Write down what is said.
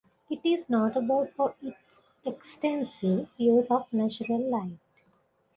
It is notable for its extensive use of natural light.